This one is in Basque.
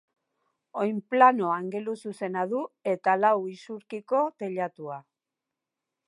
Oinplano angeluzuzena du, eta lau isurkiko teilatua.